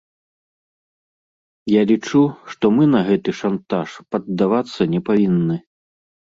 Я лічу, што мы на гэты шантаж паддавацца не павінны.